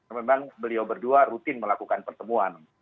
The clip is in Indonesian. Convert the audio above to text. memang beliau berdua rutin melakukan pertemuan